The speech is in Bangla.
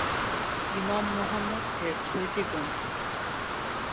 ইমাম মুহাম্মদ এর ছয়টি গ্রন্থ।